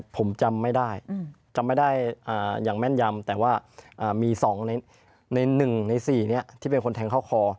ผมจำไม่ได้จำไม่ได้อย่างแม่นยำแต่ว่ามี๒ใน๑ใน๔นี้ที่เป็นคนแทงเข้าคอ